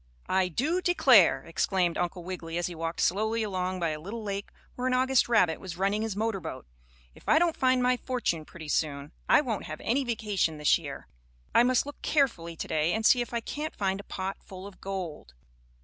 "I do declare!" exclaimed Uncle Wiggily, as he walked slowly along by a little lake, where an August rabbit was running his motor boat, "if I don't find my fortune pretty soon I won't have any vacation this year. I must look carefully to day, and see if I can't find a pot full of gold."